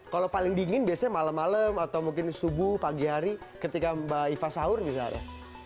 kalau paling dingin biasanya malam malam atau mungkin subuh pagi hari ketika mbak iva sahur misalnya